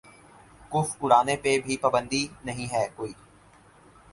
کف اُڑانے پہ بھی پابندی نہیں ہے کوئی